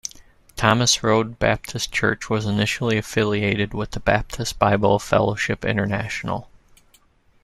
Thomas Road Baptist Church was initially affiliated with the Baptist Bible Fellowship International.